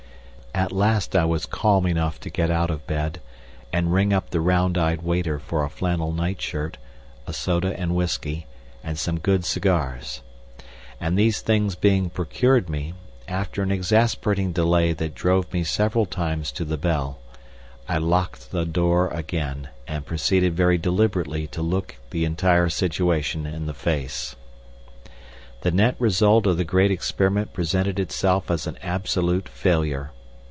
At last I was calm enough to get out of bed and ring up the round eyed waiter for a flannel nightshirt, a soda and whisky, and some good cigars. And these things being procured me, after an exasperating delay that drove me several times to the bell, I locked the door again and proceeded very deliberately to look the entire situation in the face. The net result of the great experiment presented itself as an absolute failure.